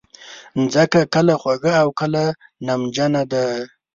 مځکه کله خوږه او کله غمجنه ده.